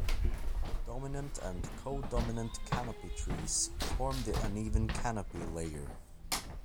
Dominant and co-dominant canopy trees form the uneven canopy layer.